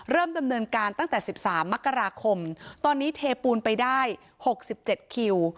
ดำเนินการตั้งแต่๑๓มกราคมตอนนี้เทปูนไปได้๖๗คิว